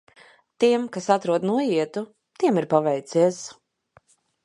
Tiem, kas atrod noietu, – tiem ir paveicies.